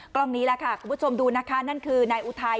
กล้องนี้ละค่ะทุกผู้ชมดูนะคะนั่นคือนายอุทัย